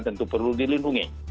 tentu perlu dilindungi